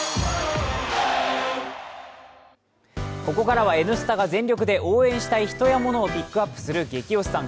ここからは「Ｎスタ」が全力で応援したい人や物を推す「ゲキ推しさん」。